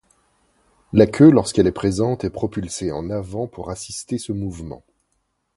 La queue, lorsqu'elle est présente, est propulsée en avant pour assister ce mouvement.